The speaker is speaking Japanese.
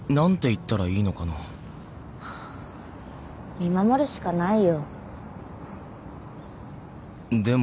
見守るしかないよ。